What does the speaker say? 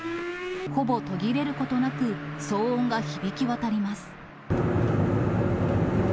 ほぼ途切れることなく、騒音が響き渡ります。